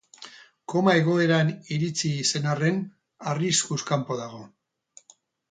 Koma egoeran iritsi zen arren, arriskuz kanpo dago.